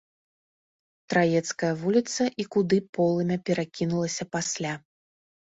Траецкая вуліца і куды полымя перакінулася пасля.